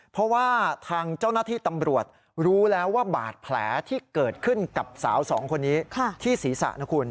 เพราะว่าทางเจ้าหน้าที่ตำรวจรู้แล้วว่าบาดแผลที่เกิดขึ้นกับสาวสองคนนี้ที่ศีรษะนะคุณ